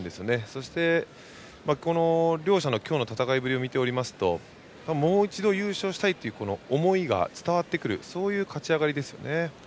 そして、両者の今日の戦いぶりを見てますともう一度、優勝したいという思いが伝わってくるそういう勝ち上がりですね。